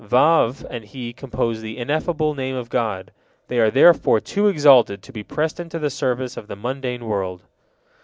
Waw and He compose the Ineffable Name of God; they are therefore too exalted to be pressed into the service of the mundane world.